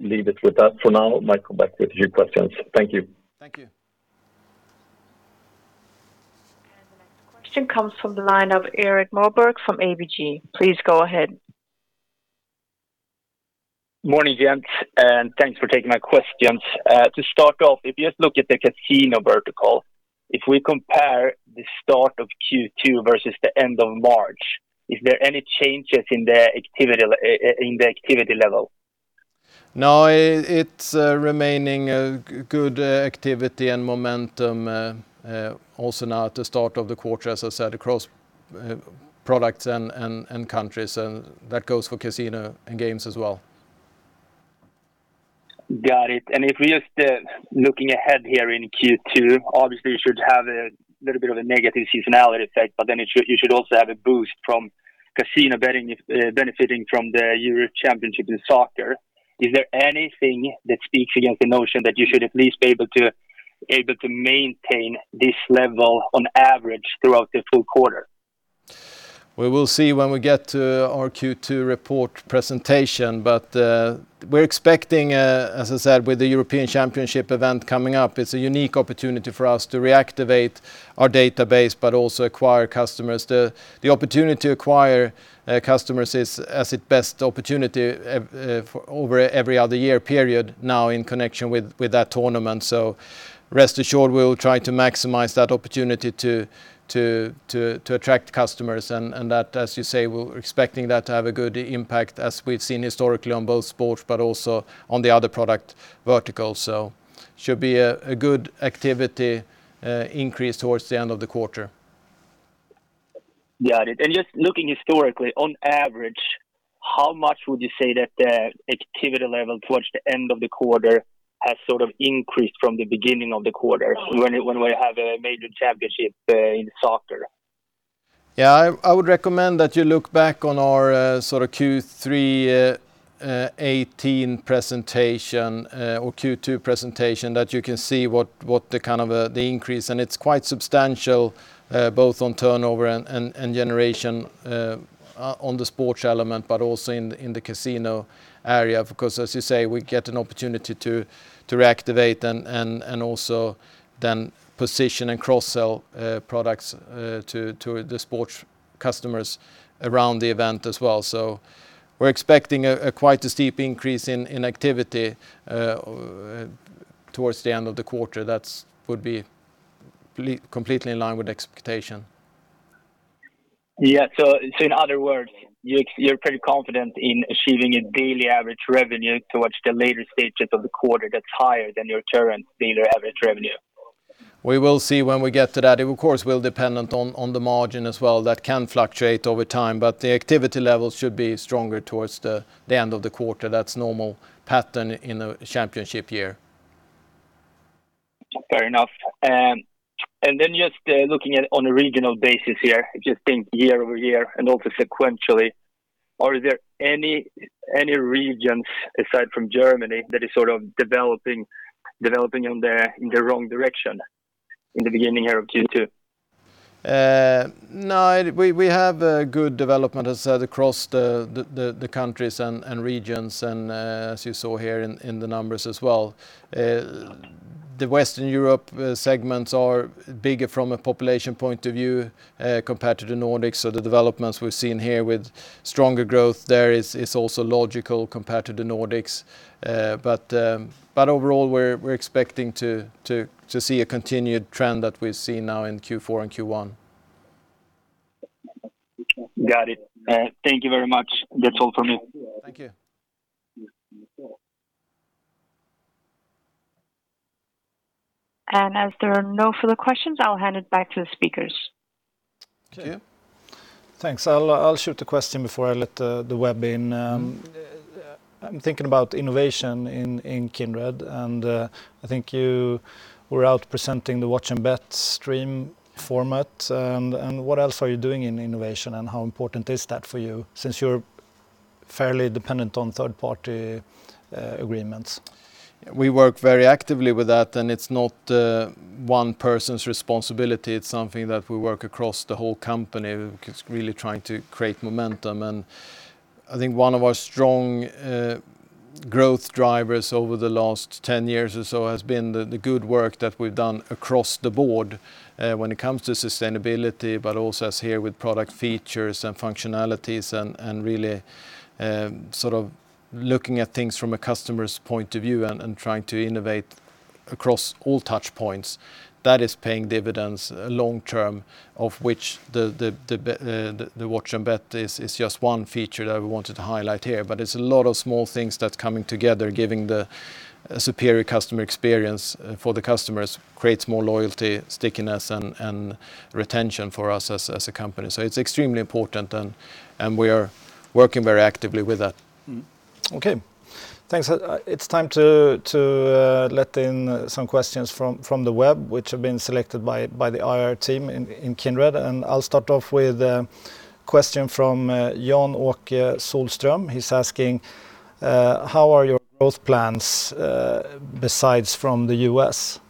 leave it with that for now. I might come back with a few questions. Thank you. Thank you. The next question comes from the line of Erik Moberg from ABG. Please go ahead. Morning, gents, and thanks for taking my questions. To start off, if you look at the casino vertical, if we compare the start of Q2 versus the end of March, is there any changes in the activity level? It's remaining good activity and momentum, also now at the start of the quarter, as I said, across products and countries, and that goes for casino and games as well. Got it. If we just looking ahead here in Q2, obviously you should have a little bit of a negative seasonality effect, you should also have a boost from casino betting, benefiting from the Euro championship in soccer. Is there anything that speaks against the notion that you should at least be able to maintain this level on average throughout the full quarter? We will see when we get to our Q2 report presentation, but we're expecting, as I said, with the European Championship event coming up, it's a unique opportunity for us to reactivate our database, but also acquire customers. The opportunity to acquire customers is as its best opportunity, for over every other year period now in connection with that tournament. Rest assured we'll try to maximize that opportunity to attract customers and that, as you say, we're expecting that to have a good impact as we've seen historically on both sports, but also on the other product verticals. Should be a good activity, increase towards the end of the quarter. Got it. Just looking historically on average, how much would you say that the activity level towards the end of the quarter has sort of increased from the beginning of the quarter when we have a major championship, in soccer? Yeah, I would recommend that you look back on our sort of Q3 2018 presentation, or Q2 presentation, that you can see what the kind of increase, and it's quite substantial, both on turnover and generation on the sports element, but also in the casino area because as you say, we get an opportunity to reactivate and also then position and cross-sell products to the sports customers around the event as well. We're expecting quite a steep increase in activity towards the end of the quarter. That would be completely in line with expectation. Yeah. In other words, you're pretty confident in achieving a daily average revenue towards the later stages of the quarter that's higher than your current daily average revenue? We will see when we get to that. It of course, will depend on the margin as well, that can fluctuate over time, but the activity levels should be stronger towards the end of the quarter. That's normal pattern in a championship year. Fair enough. Just looking at it on a regional basis here, just think year-over-year and also sequentially, are there any regions aside from Germany that is sort of developing in the wrong direction in the beginning here of Q2? No, we have a good development, as I said, across the countries and regions and, as you saw here in the numbers as well the Western Europe segments are bigger from a population point of view, compared to the Nordics. The developments we've seen here with stronger growth there is also logical compared to the Nordics. Overall, we're expecting to see a continued trend that we've seen now in Q4 and Q1. Got it. Thank you very much. That's all from me. Thank you. As there are no further questions, I'll hand it back to the speakers. Okay. Thanks. I'll shoot the question before I let the web in. I'm thinking about innovation in Kindred, and I think you were out presenting the Watch and Bet stream format, and what else are you doing in innovation and how important is that for you since you're fairly dependent on third-party agreements? We work very actively with that, and it's not one person's responsibility. It's something that we work across the whole company, really trying to create momentum and I think one of our strong growth drivers over the last 10 years or so has been the good work that we've done across the board, when it comes to sustainability, but also as here with product features and functionalities and really sort of looking at things from a customer's point of view and trying to innovate across all touchpoints. That is paying dividends long term, of which the Watch and Bet is just one feature that we wanted to highlight here. It's a lot of small things that's coming together, giving the superior customer experience for the customers, creates more loyalty, stickiness, and retention for us as a company. It's extremely important and we are working very actively with that. Okay, thanks. It's time to let in some questions from the web, which have been selected by the IR team in Kindred. I'll start off with a question from Jan Åke Solström. He's asking, "How are your growth plans, besides from the U.S.?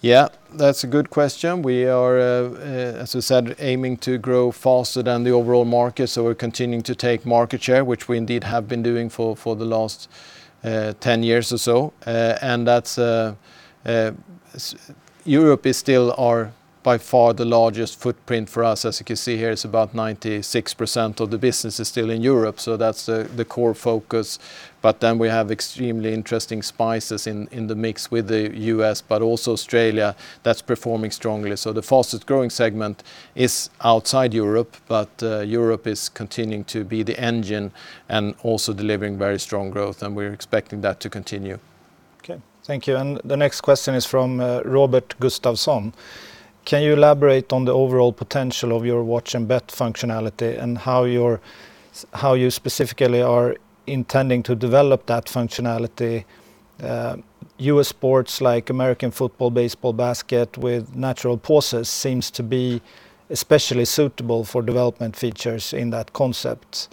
Yeah, that's a good question. We are, as I said, aiming to grow faster than the overall market, so we're continuing to take market share, which we indeed have been doing for the last 10 years or so. Europe is still our by far the largest footprint for us. As you can see here, it's about 96% of the business is still in Europe, so that's the core focus. We have extremely interesting spices in the mix with the U.S., but also Australia that's performing strongly. The fastest-growing segment is outside Europe, but Europe is continuing to be the engine and also delivering very strong growth, and we're expecting that to continue. Okay. Thank you. The next question is from Robert Gustavson. Can you elaborate on the overall potential of your Watch and Bet functionality and how you specifically are intending to develop that functionality? U.S. sports like American football, baseball, basketball with natural pauses seems to be especially suitable for development features in that concept.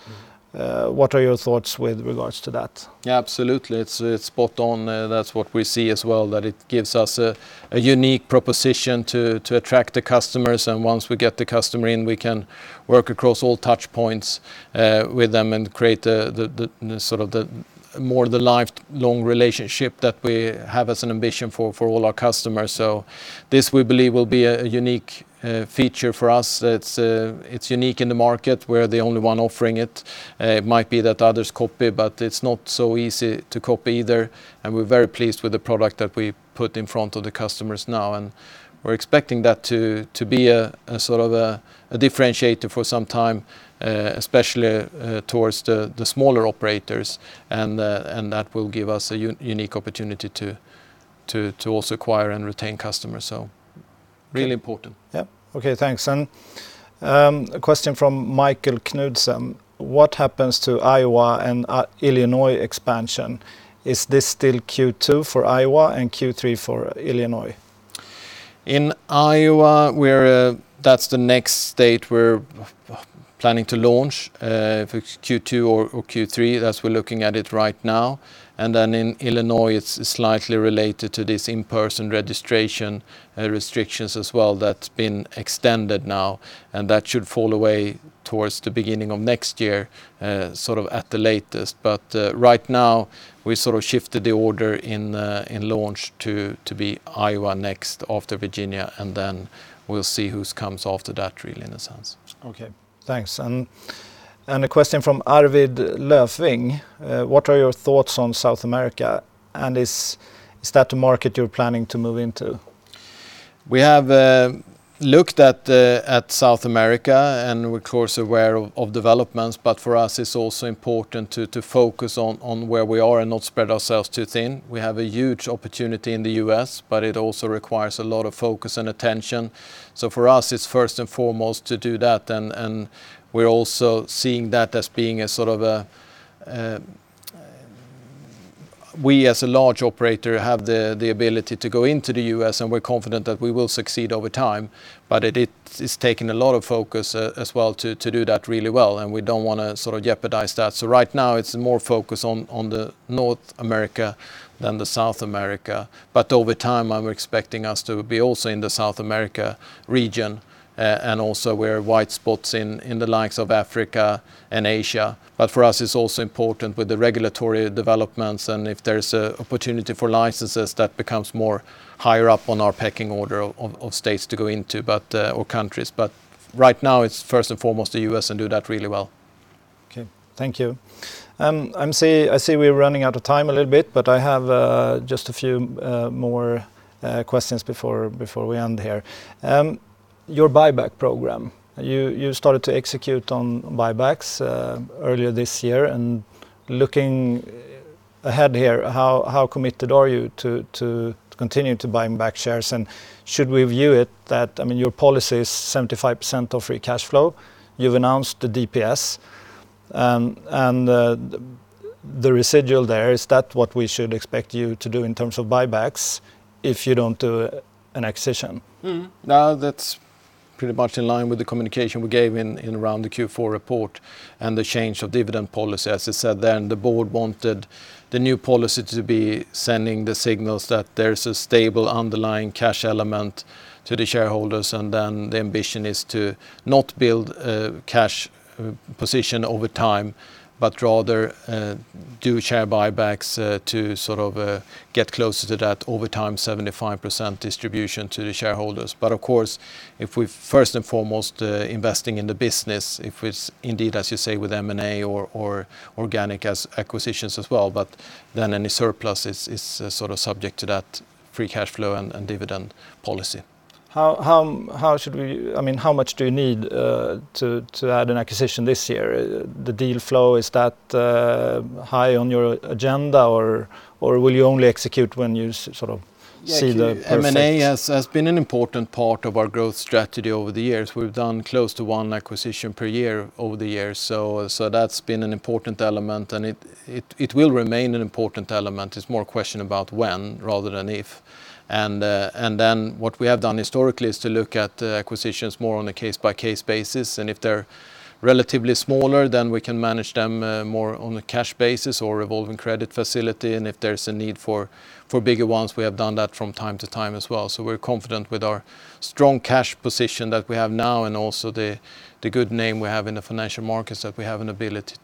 What are your thoughts with regards to that? Absolutely. It's spot on. That's what we see as well, that it gives us a unique proposition to attract the customers, and once we get the customer in, we can work across all touchpoints with them and create more the lifelong relationship that we have as an ambition for all our customers. This, we believe will be a unique feature for us. It's unique in the market. We're the only one offering it. It might be that others copy, but it's not so easy to copy either, and we're very pleased with the product that we put in front of the customers now, and we're expecting that to be a differentiator for some time, especially towards the smaller operators, and that will give us a unique opportunity to also acquire and retain customers. Really important. Yeah. Okay, thanks. A question from Michael Knudsen. What happens to Iowa and Illinois expansion? Is this still Q2 for Iowa and Q3 for Illinois? In Iowa, that's the next state we're planning to launch, if it's Q2 or Q3, as we're looking at it right now. In Illinois, it's slightly related to this in-person registration restrictions as well that's been extended now, and that should fall away towards the beginning of next year, at the latest. Right now, we shifted the order in launch to be Iowa next after Virginia, and then we'll see who comes after that, really, in a sense. Okay, thanks. A question from Arvid Lofving. What are your thoughts on South America, and is that the market you're planning to move into? We have looked at South America, and we're of course aware of developments, but for us, it's also important to focus on where we are and not spread ourselves too thin. We have a huge opportunity in the U.S., but it also requires a lot of focus and attention. For us, it's first and foremost to do that, and we're also seeing that as being. We, as a large operator, have the ability to go into the U.S., and we're confident that we will succeed over time. It's taking a lot of focus as well to do that really well, and we don't want to jeopardize that. Right now, it's more focus on North America than South America. Over time, I'm expecting us to be also in the South America region, and also where white spots in the likes of Africa and Asia. For us, it's also important with the regulatory developments and if there's an opportunity for licenses that becomes more higher up on our pecking order of states to go into, or countries. Right now, it's first and foremost the U.S. and do that really well. Okay. Thank you. I see we're running out of time a little bit. I have just a few more questions before we end here. Your buyback program. You started to execute on buybacks earlier this year. Looking ahead here, how committed are you to continue to buying back shares? Your policy is 75% of free cash flow. You've announced the DPS. The residual there, is that what we should expect you to do in terms of buybacks if you don't do an acquisition? That's pretty much in line with the communication we gave in around the Q4 report and the change of dividend policy. As I said then, the board wanted the new policy to be sending the signals that there's a stable underlying cash element to the shareholders, and then the ambition is to not build a cash position over time, but rather do share buybacks to get closer to that, over time, 75% distribution to the shareholders. Of course, if we first and foremost investing in the business, if it's indeed as you say, with M&A or organic as acquisitions as well, but then any surplus is subject to that free cash flow and dividend policy. How much do you need to add an acquisition this year? The deal flow, is that high on your agenda, or will you only execute when you see the perfect? M&A has been an important part of our growth strategy over the years. We've done close to one acquisition per year over the years, so that's been an important element, and it will remain an important element. It's more a question about when rather than if. What we have done historically is to look at acquisitions more on a case-by-case basis, and if they're relatively smaller, then we can manage them more on a cash basis or revolving credit facility. If there's a need for bigger ones, we have done that from time to time as well. We're confident with our strong cash position that we have now and also the good name we have in the financial markets that we have an ability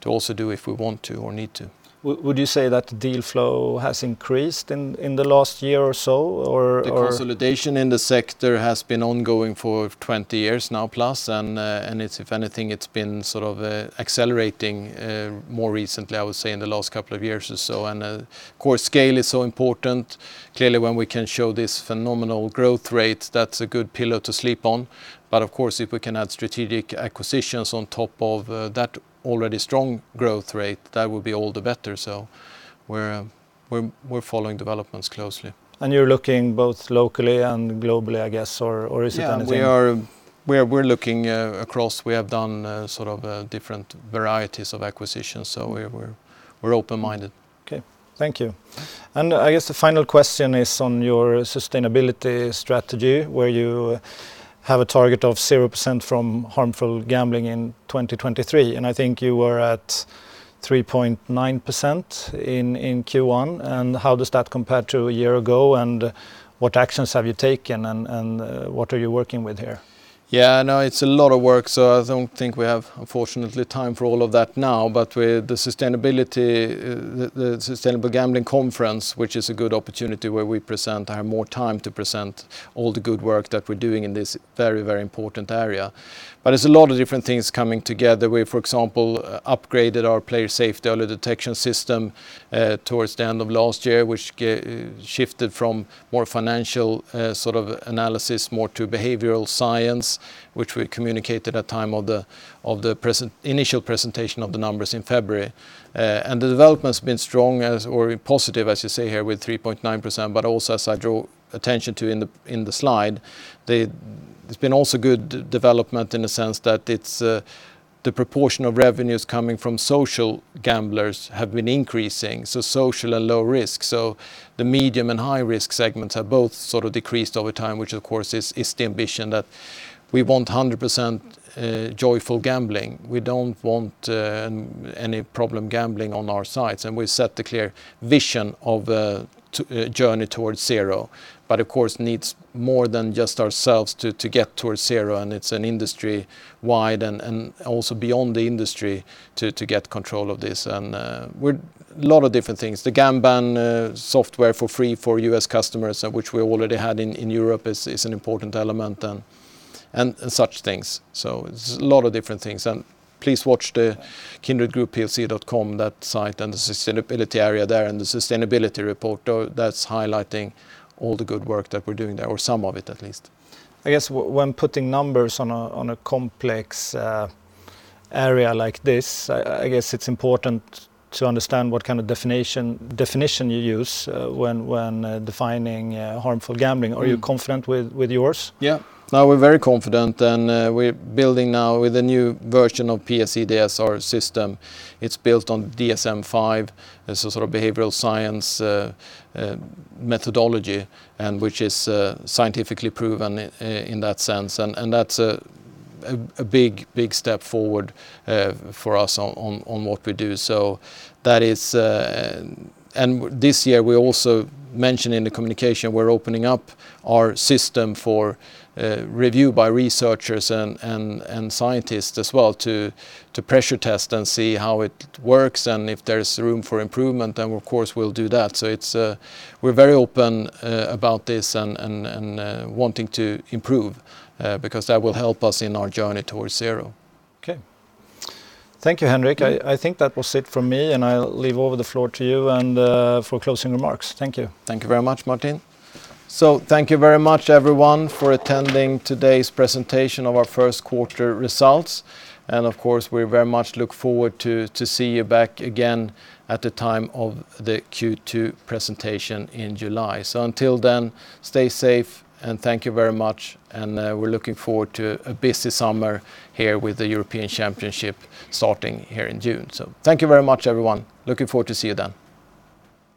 to also do if we want to or need to. Would you say that deal flow has increased in the last year or so? The consolidation in the sector has been ongoing for 20 years now plus, if anything, it's been accelerating more recently, I would say, in the last couple of years or so. Of course, scale is so important. Clearly, when we can show this phenomenal growth rate, that's a good pillar to sleep on. Of course, if we can add strategic acquisitions on top of that already strong growth rate, that would be all the better. We're following developments closely. You're looking both locally and globally, I guess. Is it anything? Yeah. We're looking across. We have done different varieties of acquisitions, so we're open-minded. Okay, thank you. I guess the final question is on your sustainability strategy, where you have a target of 0% from harmful gambling in 2023, I think you were at 3.9% in Q1. How does that compare to a year ago, what actions have you taken, and what are you working with here? It's a lot of work, so I don't think we have, unfortunately, time for all of that now, but with the Sustainable Gambling Conference, which is a good opportunity where we have more time to present all the good work that we're doing in this very, very important area. There's a lot of different things coming together. We, for example, upgraded our Player Safety Early Detection System towards the end of last year, which shifted from more financial sort of analysis, more to behavioral science, which we communicated at time of the initial presentation of the numbers in February. The development's been strong as, or positive, as you say here, with 3.9%, but also, as I draw attention to in the slide, there's been also good development in the sense that the proportion of revenues coming from social gamblers have been increasing, so social and low risk. The medium and high-risk segments have both sort of decreased over time, which of course is the ambition that we want 100% joyful gambling. We don't want any problem gambling on our sites, and we set the clear vision of a journey towards zero. Of course, needs more than just ourselves to get towards zero, and it's an industry-wide, and also beyond the industry, to get control of this. A lot of different things. The Gamban software for free for U.S. customers, which we already had in Europe, is an important element, and such things. It's a lot of different things, and please watch the kindredgroupplc.com, that site, and the sustainability area there, and the sustainability report. That's highlighting all the good work that we're doing there, or some of it, at least. I guess when putting numbers on a complex area like this, I guess it's important to understand what kind of definition you use when defining harmful gambling. Are you confident with yours? No, we're very confident. We're building now with a new version of PS-EDS system. It's built on DSM-5, a sort of behavioral science methodology, which is scientifically proven in that sense. That's a big step forward for us on what we do. This year we also mention in the communication, we're opening up our system for review by researchers and scientists as well to pressure test and see how it works. If there's room for improvement, of course we'll do that. We're very open about this and wanting to improve because that will help us in our journey towards zero. Okay. Thank you, Henrik. I think that was it from me, I'll leave over the floor to you and for closing remarks. Thank you. Thank you very much, Martin. Thank you very much, everyone, for attending today's presentation of our first quarter results. Of course, we very much look forward to see you back again at the time of the Q2 presentation in July. Until then, stay safe, and thank you very much, and we're looking forward to a busy summer here with the European Championship starting here in June. Thank you very much, everyone. Looking forward to see you then.